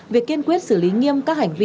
việc kiên quyết xử lý nghiêm các hành vi